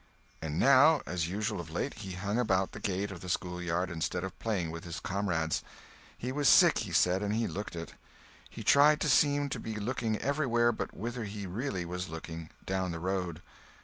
And now, as usual of late, he hung about the gate of the schoolyard instead of playing with his comrades. He was sick, he said, and he looked it. He tried to seem to be looking everywhere but whither he really was looking—down the road.